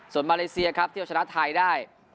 ส่วนมาเลเซียครับเที่ยวชนะไทยได้